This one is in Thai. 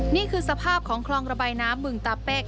นี่คือสภาพของคลองระบายน้ำบึงตาเป๊ก